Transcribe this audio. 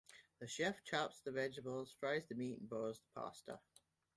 The chef chops the vegetables, fries the meat and boils the pasta.